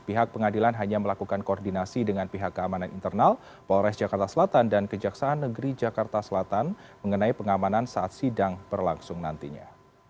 pihak pengadilan hanya melakukan koordinasi dengan pihak keamanan internal polres jakarta selatan dan kejaksaan negeri jakarta selatan mengenai pengamanan saat sidang berlangsung nantinya